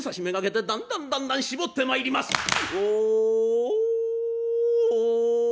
目がけてだんだんだんだん絞ってまいります。